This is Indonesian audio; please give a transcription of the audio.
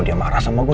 dia marah sama gue